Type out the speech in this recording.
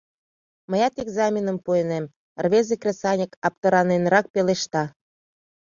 — Мыят экзаменым пуынем, — рвезе кресаньык аптыраненрак пелешта.